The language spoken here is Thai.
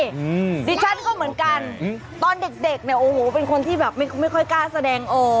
อืมดิฉันก็เหมือนกันอืมตอนเด็กเด็กเนี้ยโอ้โหเป็นคนที่แบบไม่ไม่ค่อยกล้าแสดงออก